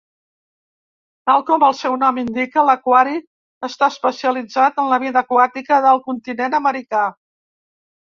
Tal com el seu nom indica, l'aquari està especialitzat en la vida aquàtica del continent americà.